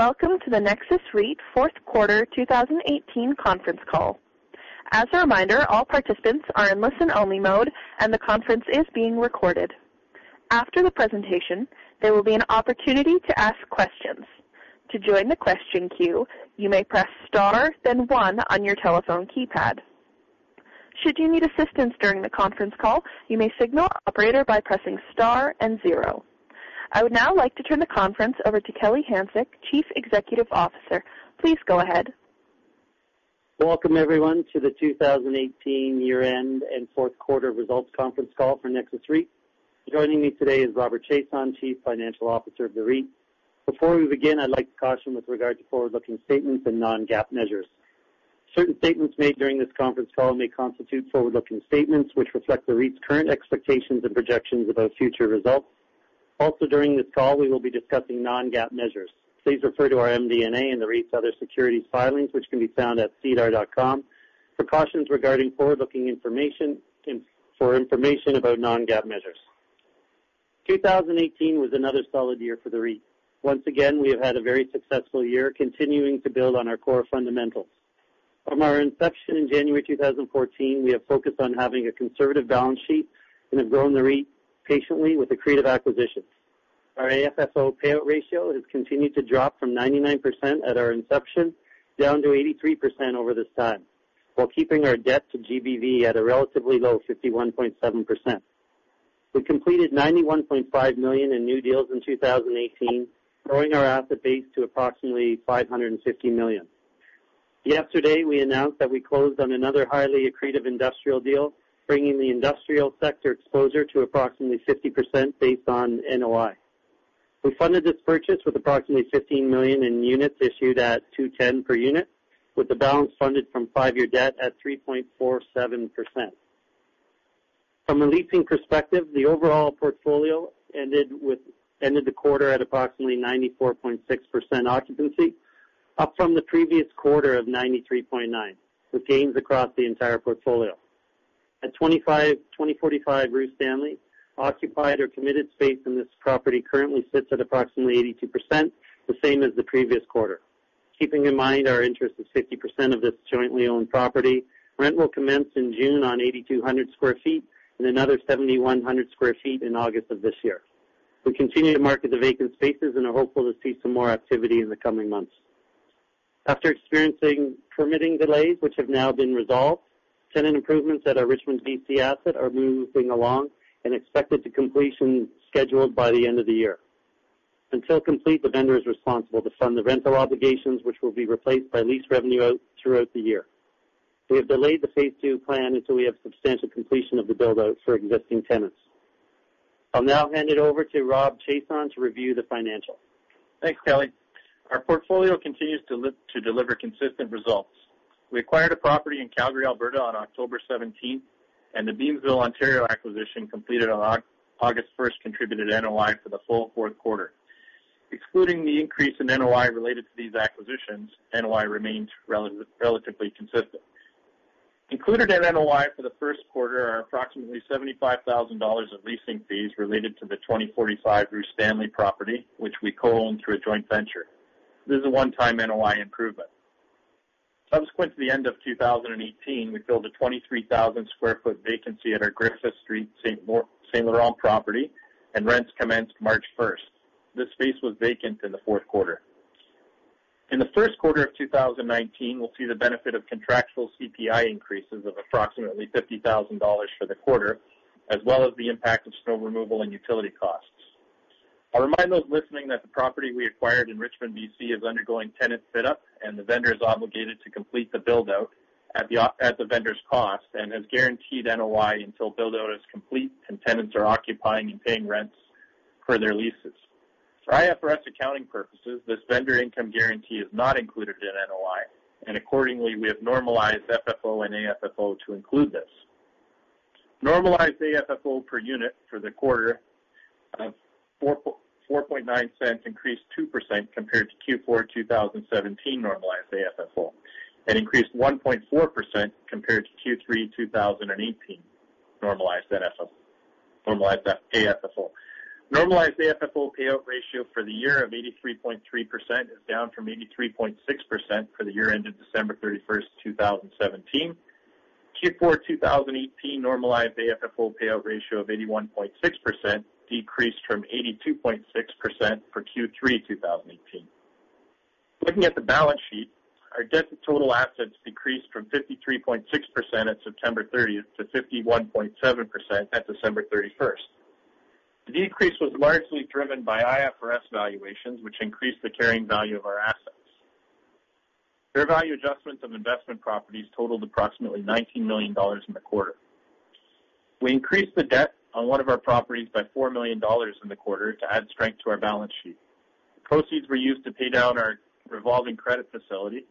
Welcome to the Nexus REIT Q4 2018 Conference Call. As a reminder, all participants are in listen-only mode, and the conference is being recorded. After the presentation, there will be an opportunity to ask questions. To join the question queue, you may press star then one on your telephone keypad. Should you need assistance during the conference call, you may signal operator by pressing star and zero. I would now like to turn the conference over to Kelly Hanczyk, Chief Executive Officer. Please go ahead. Welcome everyone to the 2018 year-end and Q4 results conference call for Nexus REIT. Joining me today is Robert Chiasson, Chief Financial Officer of the REIT. Before we begin, I'd like to caution with regard to forward-looking statements and non-GAAP measures. Certain statements made during this conference call may constitute forward-looking statements, which reflect the REIT's current expectations and projections about future results. Also, during this call, we will be discussing non-GAAP measures. Please refer to our MD&A and the REIT's other securities filings, which can be found at sedar.com for cautions regarding forward-looking information, and for information about non-GAAP measures. 2018 was another solid year for the REIT. Once again, we have had a very successful year continuing to build on our core fundamentals. From our inception in January 2014, we have focused on having a conservative balance sheet and have grown the REIT patiently with accretive acquisitions. Our AFFO payout ratio has continued to drop from 99% at our inception down to 83% over this time, while keeping our debt-to-GBV at a relatively low 51.7%. We completed 91.5 million in new deals in 2018, growing our asset base to approximately 550 million. Yesterday, we announced that we closed on another highly accretive industrial deal, bringing the industrial sector exposure to approximately 50% based on NOI. We funded this purchase with approximately 15 million in units issued at 210 per unit, with the balance funded from five-year debt at 3.47%. From a leasing perspective, the overall portfolio ended the quarter at approximately 94.6% occupancy, up from the previous quarter of 93.9%, with gains across the entire portfolio. At 2045 Rue Stanley, occupied or committed space in this property currently sits at approximately 82%, the same as the previous quarter. Keeping in mind our interest is 50% of this jointly owned property, rent will commence in June on 8,200 sq ft and another 7,100 sq ft in August of this year. We continue to market the vacant spaces and are hopeful to see some more activity in the coming months. After experiencing permitting delays, which have now been resolved, tenant improvements at our Richmond, B.C. asset are moving along and expected to completion scheduled by the end of the year. Until complete, the vendor is responsible to fund the rental obligations, which will be replaced by lease revenue out throughout the year. We have delayed the phase II plan until we have substantial completion of the build-out for existing tenants. I'll now hand it over to Rob Chiasson to review the financials. Thanks, Kelly. Our portfolio continues to deliver consistent results. We acquired a property in Calgary, Alberta on October 17th, and the Beamsville, Ontario acquisition completed on August 1st contributed NOI for the full Q4. Excluding the increase in NOI related to these acquisitions, NOI remains relatively consistent. Included in NOI for the Q1 are approximately 75,000 dollars of leasing fees related to the 2045 Rue Stanley property, which we co-own through a joint venture. This is a one-time NOI improvement. Subsequent to the end of 2018, we filled a 23,000 sq ft vacancy at our Griffith Street, Saint-Laurent property, and rents commenced March 1st. This space was vacant in the Q4. In the Q1 of 2019, we'll see the benefit of contractual CPI increases of approximately 50,000 dollars for the quarter, as well as the impact of snow removal and utility costs. I'll remind those listening that the property we acquired in Richmond, B.C. is undergoing tenant fit-out, and the vendor is obligated to complete the build-out at the vendor's cost and has guaranteed NOI until build-out is complete and tenants are occupying and paying rents per their leases. For IFRS accounting purposes, this vendor income guarantee is not included in NOI, and accordingly, we have normalized FFO and AFFO to include this. Normalized AFFO per unit for the quarter of 0.049 increased 2% compared to Q4 2017 normalized AFFO, and increased 1.4% compared to Q3 2018 normalized AFFO. Normalized AFFO payout ratio for the year of 83.3% is down from 83.6% for the year ended December 31st 2017. Q4 2018 normalized AFFO payout ratio of 81.6% decreased from 82.6% for Q3 2018. Looking at the balance sheet, our debt to total assets decreased from 53.6% at September 30th to 51.7% at December 31st. The decrease was largely driven by IFRS valuations, which increased the carrying value of our assets. Fair value adjustments of investment properties totaled approximately 19 million dollars in the quarter. We increased the debt on one of our properties by 4 million dollars in the quarter to add strength to our balance sheet. The proceeds were used to pay down our revolving credit facility,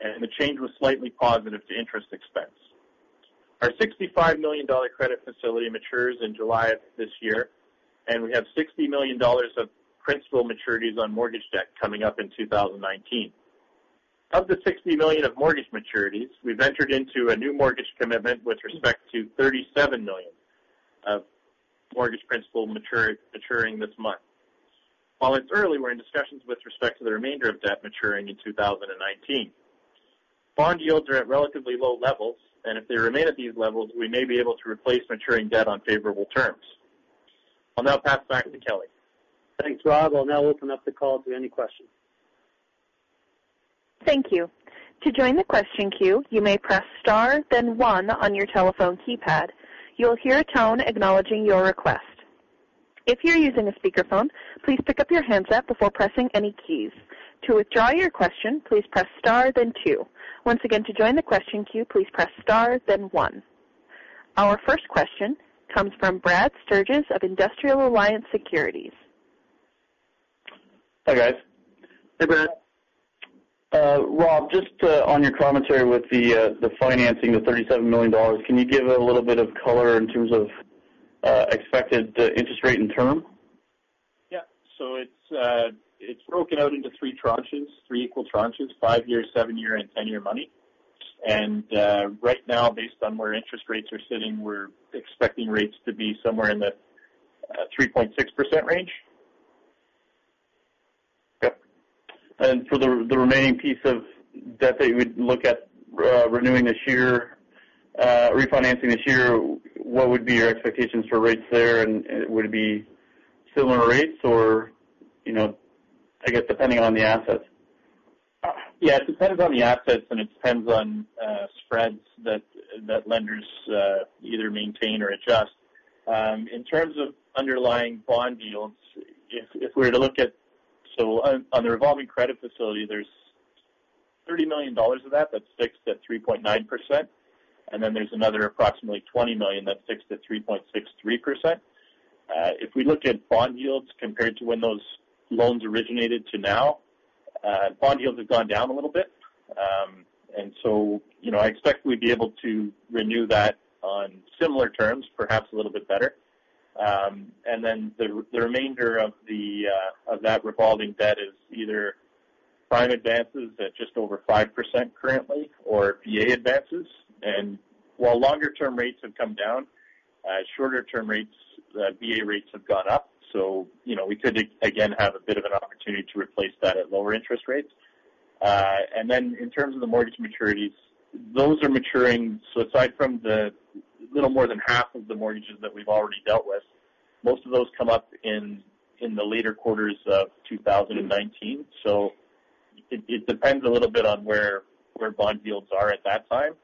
and the change was slightly positive to interest expense. Our 65 million dollar credit facility matures in July of this year, and we have 60 million dollars of principal maturities on mortgage debt coming up in 2019. Of the 60 million of mortgage maturities, we've entered into a new mortgage commitment with respect to 37 million of mortgage principal maturing this month. While it's early, we're in discussions with respect to the remainder of debt maturing in 2019. Bond yields are at relatively low levels, and if they remain at these levels, we may be able to replace maturing debt on favorable terms. I'll now pass back to Kelly. Thanks, Rob. I'll now open up the call to any questions. Thank you. To join the question queue, you may press star then one on your telephone keypad. You'll hear a tone acknowledging your request. If you're using a speakerphone, please pick up your handset before pressing any keys. To withdraw your question, please press star, then two. Once again, to join the question queue, please press star, then one. Our first question comes from Brad Sturges of Industrial Alliance Securities. Hi, guys. Hey, Brad. Rob, just on your commentary with the financing, the 37 million dollars, can you give a little bit of color in terms of expected interest rate and term? Yeah. It's broken out into three tranches, three equal tranches, five-year, seven-year, and 10-year money. Right now, based on where interest rates are sitting, we're expecting rates to be somewhere in the 3.6% range. Okay. For the remaining piece of debt that you would look at renewing this year, refinancing this year, what would be your expectations for rates there? Would it be similar rates or, I guess, depending on the assets? Yeah, it depends on the assets, and it depends on spreads that lenders either maintain or adjust. In terms of underlying bond yields, if we were to look at on the revolving credit facility, there's 30 million dollars of that's fixed at 3.9%, then there's another approximately 20 million that's fixed at 3.63%. If we look at bond yields compared to when those loans originated to now, bond yields have gone down a little bit. I expect we'd be able to renew that on similar terms, perhaps a little bit better. Then the remainder of that revolving debt is either prime advances at just over 5% currently or BA advances. While longer-term rates have come down, shorter-term rates, BA rates, have gone up. We could, again, have a bit of an opportunity to replace that at lower interest rates. In terms of the mortgage maturities, those are maturing. Aside from the little more than half of the mortgages that we've already dealt with, most of those come up in the later quarters of 2019. It depends a little bit on where bond yields are at that time.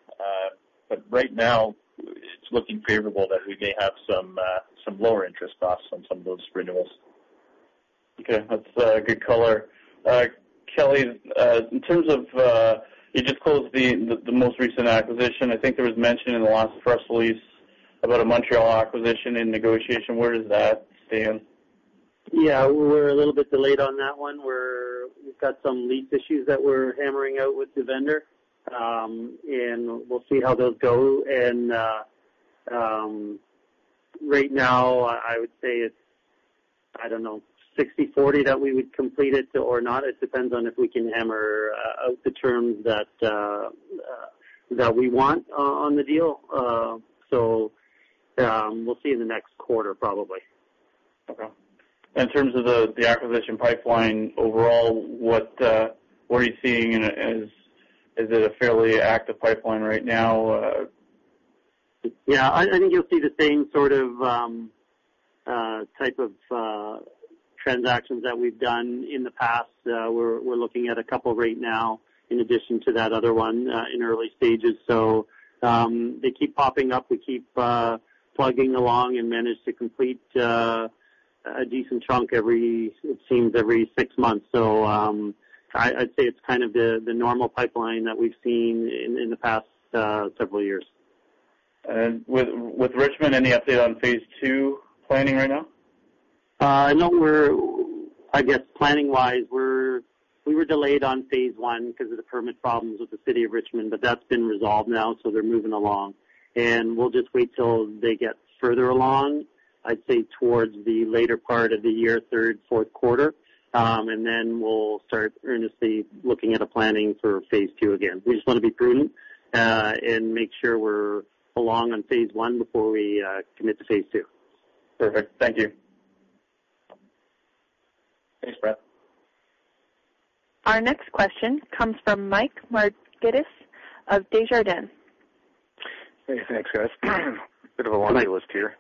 Right now, it's looking favorable that we may have some lower interest costs on some of those renewals. Okay, that's good color. Kelly, you just closed the most recent acquisition. I think there was mention in the last press release about a Montreal acquisition in negotiation. Where does that stand? Yeah, we're a little bit delayed on that one, where we've got some lease issues that we're hammering out with the vendor. We'll see how those go. Right now, I would say it's, I don't know, 60/40 that we would complete it or not. It depends on if we can hammer out the terms that we want on the deal. We'll see in the next quarter, probably. Okay. In terms of the acquisition pipeline overall, what are you seeing, and is it a fairly active pipeline right now? Yeah, I think you'll see the same sort of type of transactions that we've done in the past. We're looking at a couple right now in addition to that other one in early stages. They keep popping up. We keep plugging along and manage to complete a decent chunk, it seems, every six months. I'd say it's kind of the normal pipeline that we've seen in the past several years. With Richmond, any update on phase II planning right now? No, I guess, planning-wise, we were delayed on phase I because of the permit problems with the City of Richmond. That's been resolved now. They're moving along. We'll just wait till they get further along, I'd say towards the later part of the year, Q3, Q4, then we'll start earnestly looking at a planning for phase II again. We just want to be prudent, and make sure we're along on phase I before we commit to phase II. Perfect. Thank you. Thanks, Brad. Our next question comes from Mike Markidis of Desjardins. Hey, thanks, guys. Bit of a laundry list here.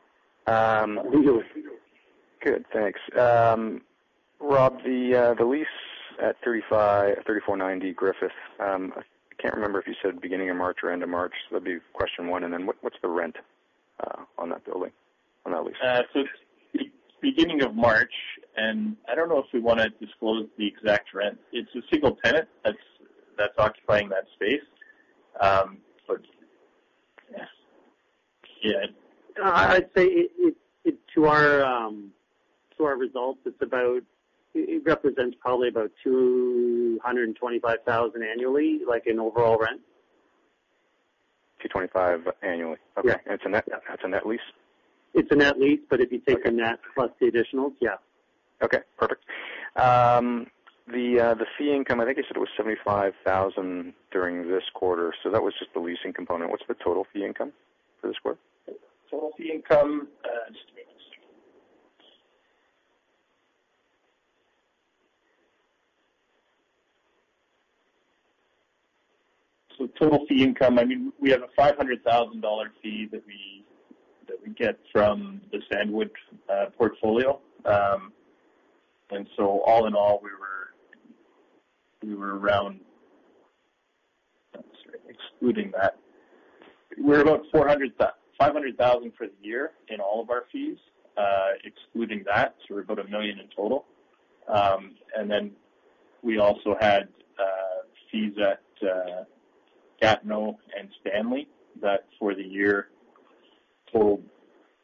No worries. Good. Thanks. Rob, the lease at 3490 Griffith. I can't remember if you said beginning of March or end of March. That'd be question one. What's the rent on that building, on that lease? Beginning of March, and I don't know if we want to disclose the exact rent. It's a single tenant that's occupying that space. I'd say to our results, it represents probably about 225,000 annually, like in overall rent. 225,000 annually. Yeah. Okay. Is a net lease? It's a net lease, but if you take the net plus the additional, yeah. Okay, perfect. The fee income, I think you said it was 75,000 during this quarter, so that was just the leasing component. What's the total fee income for this quarter? Total fee income, we have a 500,000 dollar fee that we get from the Sandalwood portfolio. All in all, excluding that, we're about 500,000 for the year in all of our fees, excluding that. We're about 1 million in total. We also had fees at Gatineau and Stanley, that for the year totaled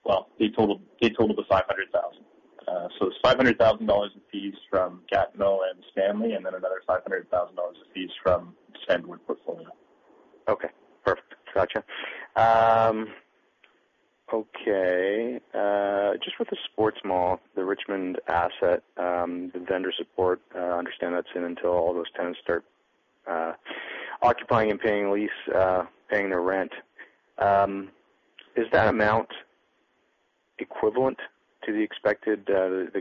to 500,000. It's 500,000 dollars in fees from Gatineau and Stanley, and then another 500,000 dollars in fees from Sandalwood portfolio. Okay, perfect. Got you. Just with the sports mall, the Richmond asset, the vendor support, I understand that's in until all those tenants start occupying and paying their rent. Is that amount equivalent to the expected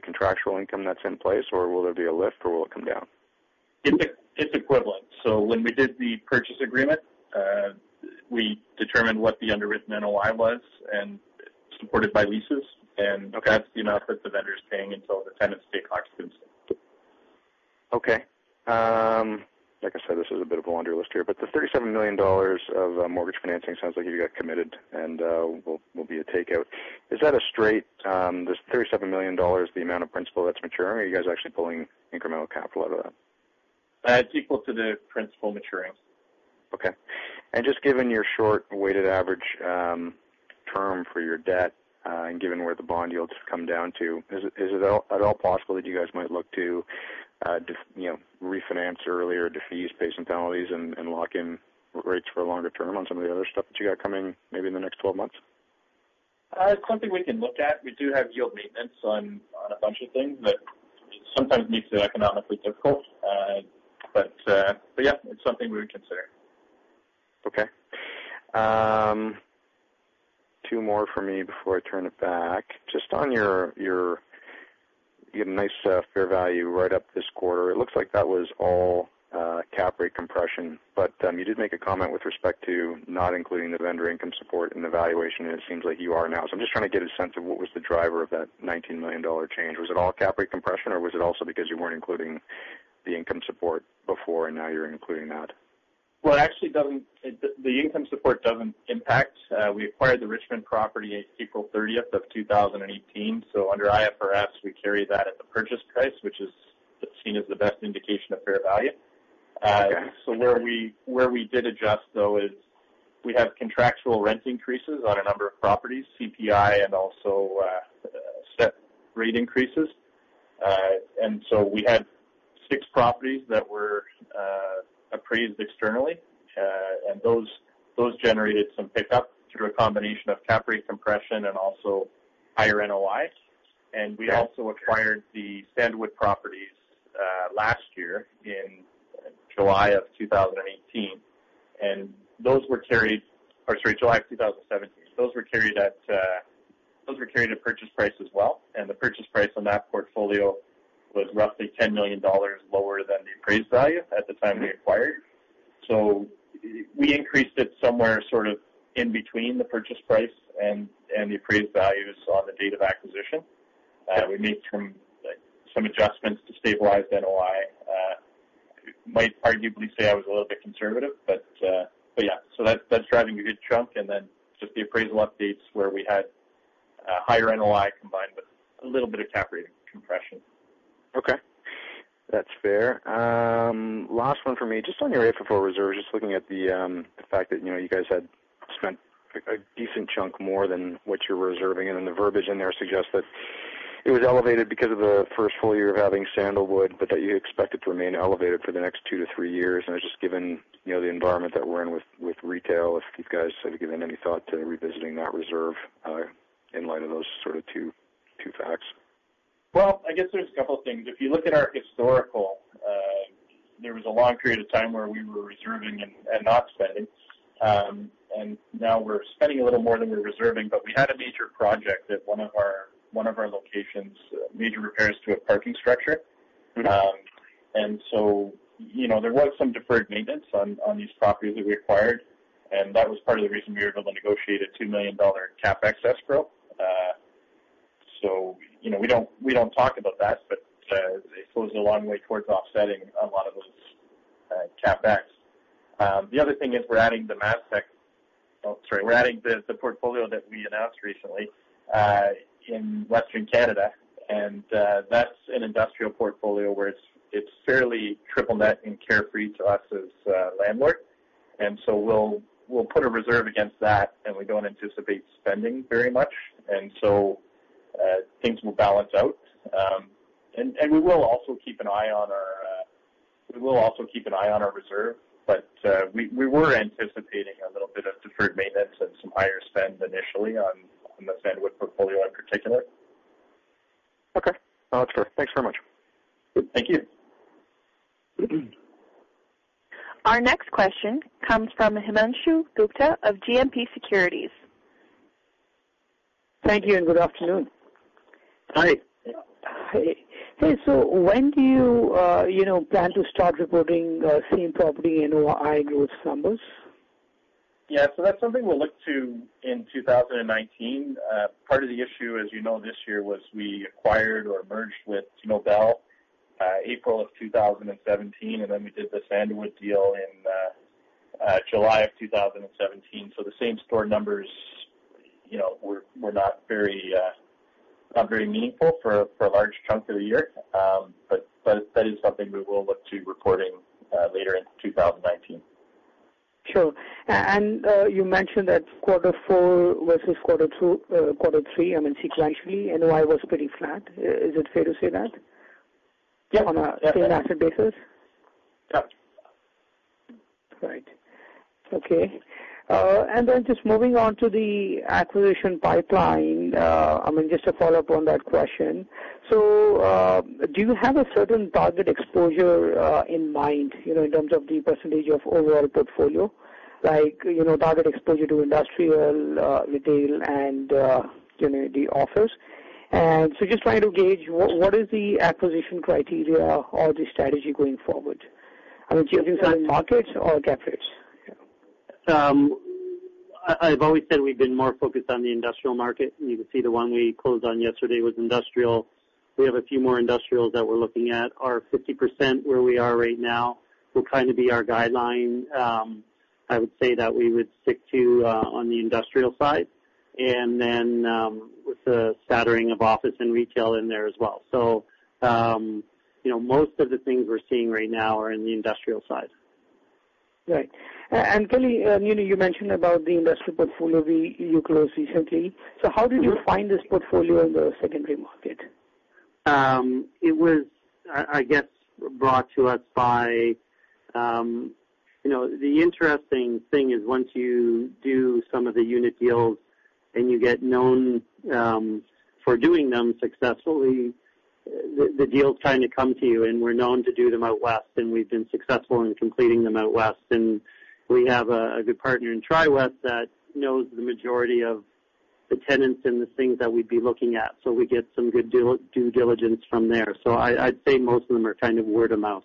contractual income that's in place, or will there be a lift, or will it come down? It's equivalent. When we did the purchase agreement, we determined what the underwritten NOI was and supported by leases. Okay. That's the amount that the vendor's paying until the tenants take occupancy. Okay. Like I said, this is a bit of a laundry list here, the 37 million dollars of mortgage financing sounds like you got committed and will be a takeout. Is that a straight, this CAD 37 million, the amount of principal that's maturing, or are you guys actually pulling incremental capital out of that? It's equal to the principal maturing. Okay. Just given your short weighted average term for your debt, and given where the bond yields have come down to, is it at all possible that you guys might look to refinance early or defease, pay some penalties, and lock in rates for a longer term on some of the other stuff that you got coming maybe in the next 12 months? It's something we can look at. We do have yield maintenance on a bunch of things, but sometimes it makes it economically difficult. Yeah, it's something we would consider. Okay. Two more from me before I turn it back. You had a nice fair value right up this quarter. It looks like that was all cap rate compression. You did make a comment with respect to not including the vendor income support in the valuation, and it seems like you are now. I'm just trying to get a sense of what was the driver of that 19 million dollar change. Was it all cap rate compression, or was it also because you weren't including the income support before and now you're including that? Well, actually, the income support doesn't impact. We acquired the Richmond property April 30th of 2018. Under IFRS, we carry that at the purchase price, which is seen as the best indication of fair value. Okay. Where we did adjust though is we have contractual rent increases on a number of properties, CPI and also step rate increases. We had six properties that were appraised externally, and those generated some pickup through a combination of cap rate compression and also higher NOI. Okay. We also acquired the Sandalwood properties last year in July of 2018. Those were carried, or sorry, July of 2017. Those were carried at purchase price as well. The purchase price on that portfolio was roughly 10 million dollars lower than the appraised value at the time we acquired. We increased it somewhere sort of in between the purchase price and the appraised values on the date of acquisition. We made some adjustments to stabilize NOI. Might arguably say I was a little bit conservative, but yeah. That's driving a good chunk. Then just the appraisal updates where we had higher NOI combined with a little bit of cap rate compression. Okay. That's fair. Last one from me. Just on your 844 reserve, just looking at the fact that you guys had spent a decent chunk more than what you're reserving. The verbiage in there suggests that it was elevated because of the first full year of having Sandalwood, but that you expect it to remain elevated for the next two to three years. Just given the environment that we're in with retail, if you guys have given any thought to revisiting that reserve, in light of those sort of two facts. Well, I guess there's a couple things. If you look at our historical, there was a long period of time where we were reserving and not spending. Now we're spending a little more than we're reserving, we had a major project at one of our locations, major repairs to a parking structure. There was some deferred maintenance on these properties that we acquired, and that was part of the reason we were able to negotiate a 2 million dollar CapEx escrow. We don't talk about that, it goes a long way towards offsetting a lot of those CapEx. The other thing is we're adding the MasTec. We're adding the portfolio that we announced recently, in Western Canada. That's an industrial portfolio where it's fairly triple net and carefree to us as a landlord. We'll put a reserve against that, and we don't anticipate spending very much. Things will balance out. We will also keep an eye on our reserve, we were anticipating a little bit of deferred maintenance and some higher spend initially on the Sandalwood portfolio in particular. Okay. No, that's fair. Thanks very much. Thank you. Our next question comes from Himanshu Gupta of GMP Securities. Thank you and good afternoon. Hi. Hi. When do you plan to start reporting same property NOI growth numbers? That's something we'll look to in 2019. Part of the issue, as you know, this year was we acquired or merged with Nobel April of 2017, we did the Sandalwood deal in July of 2017. The same store numbers were not very meaningful for a large chunk of the year. That is something we will look to reporting later in 2019. Sure. You mentioned that quarter four versus quarter three, sequentially, NOI was pretty flat. Is it fair to say that? Yeah. On a same asset basis? Yeah. Right. Okay. Just moving on to the acquisition pipeline, just a follow-up on that question. Do you have a certain target exposure in mind in terms of the % of overall portfolio, like target exposure to industrial, retail, and the office? Just trying to gauge what is the acquisition criteria or the strategy going forward? I mean, do you have certain markets or cap rates? I've always said we've been more focused on the industrial market. You can see the one we closed on yesterday was industrial. We have a few more industrials that we're looking at. Our 50%, where we are right now, will kind of be our guideline, I would say that we would stick to on the industrial side. With a scattering of office and retail in there as well. Most of the things we're seeing right now are in the industrial side. Right. Kelly, you mentioned about the industrial portfolio you closed recently. How did you find this portfolio in the secondary market? The interesting thing is once you do some of the unit deals and you get known for doing them successfully, the deals kind of come to you. We're known to do them out West, and we've been successful in completing them out West. We have a good partner in TriWest that knows the majority of the tenants and the things that we'd be looking at. We get some good due diligence from there. I'd say most of them are kind of word of mouth.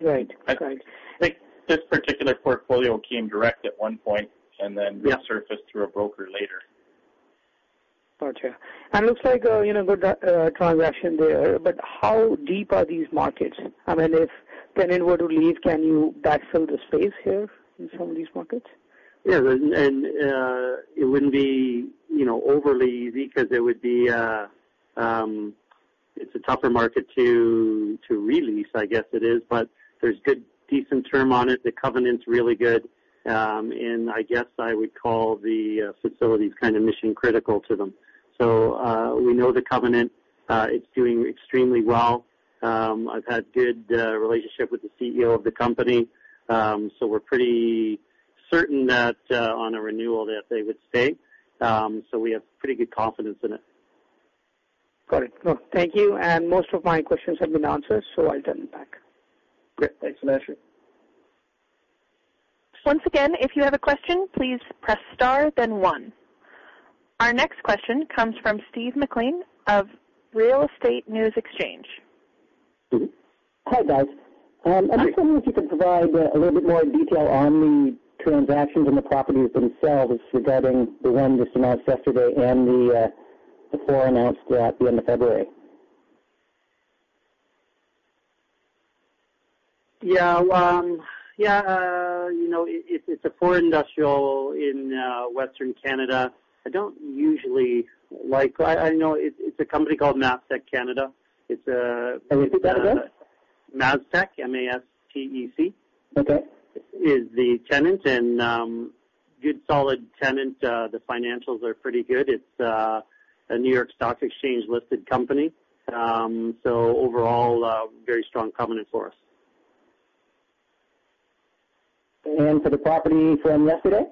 Right. I think this particular portfolio came direct at one point. Yeah Resurfaced through a broker later. Got you. Looks like a good transaction there. How deep are these markets? If a tenant were to leave, can you backfill the space here in some of these markets? Yeah. It wouldn't be overly easy because it's a tougher market to re-lease, I guess it is. There's good, decent term on it. The covenant's really good. I guess I would call the facilities kind of mission critical to them. We know the covenant. It's doing extremely well. I've had good relationship with the CEO of the company. We're pretty certain that on a renewal that they would stay. We have pretty good confidence in it. Got it. Well, thank you. Most of my questions have been answered, so I turn it back. Great. Thanks, Himanshu. Once again, if you have a question, please press star then one. Our next question comes from Steve McLean of Real Estate News Exchange. Hi, guys. I'm wondering if you could provide a little bit more detail on the transactions and the properties themselves regarding the one just announced yesterday and the four announced at the end of February. Yeah. It's a four industrial in Western Canada. It's a company called MasTec Canada. Can you repeat that again? MasTec, M-A-S-T-E-C. Okay. Is the tenant, good solid tenant. The financials are pretty good. It's a New York Stock Exchange-listed company. Overall, a very strong covenant for us. For the property from yesterday?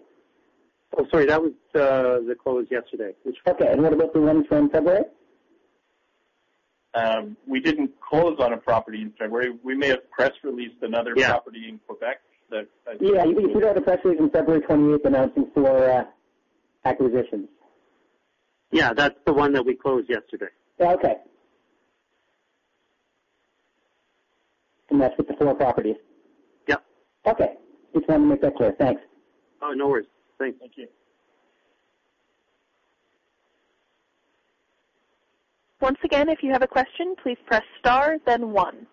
Sorry, that was the close yesterday. Okay. What about the one from February? We didn't close on a property in February. We may have press released another property in Quebec that. Yeah In Quebec. Yeah, you put out a press release on February 28th announcing four acquisitions. Yeah. That's the one that we closed yesterday. Okay. That's with the four properties? Yeah. Okay. Just wanted to make that clear. Thanks. Oh, no worries. Thanks. Thank you. Once again, if you have a question, please press star then one.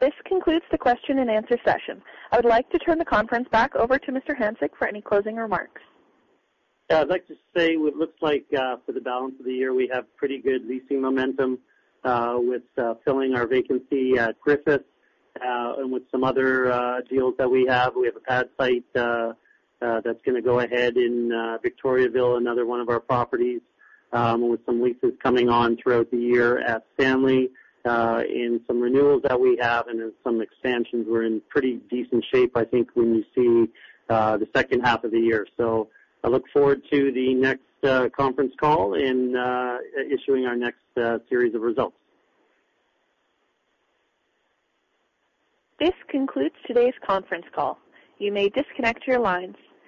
This concludes the question and answer session. I would like to turn the conference back over to Mr. Hanczyk for any closing remarks. Yeah, I'd like to say it looks like for the balance of the year, we have pretty good leasing momentum, with filling our vacancy at Griffith, and with some other deals that we have. We have a pad site that's going to go ahead in Victoriaville, another one of our properties, with some leases coming on throughout the year at Stanley, and some renewals that we have and then some expansions. We're in pretty decent shape, I think, when you see the second half of the year. I look forward to the next conference call and issuing our next series of results. This concludes today's conference call. You may disconnect your lines.